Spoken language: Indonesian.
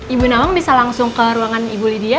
ibu nawang bisa langsung ke ruangan ibu lydia